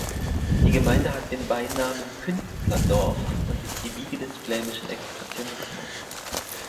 Die Gemeinde hat den Beinamen "Künstlerdorf" und ist die Wiege des flämischen Expressionismus.